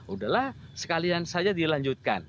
udahlah sekalian saja dilanjutkan